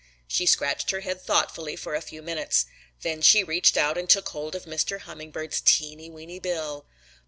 "She scratched her head thoughtfully for a few minutes. Then she reached out and took hold of Mr. Hummingbird's teeny, weeny bill.